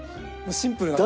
シンプルなのが。